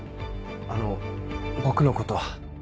あの僕のことは。